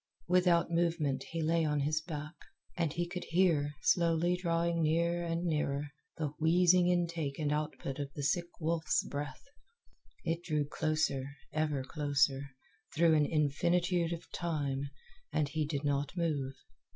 Without movement he lay on his back, and he could hear, slowly drawing near and nearer, the wheezing intake and output of the sick wolf's breath. It drew closer, ever closer, through an infinitude of time, and he did not move.